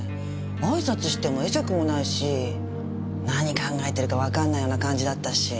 挨拶しても会釈もないし何考えてるかわかんないような感じだったし。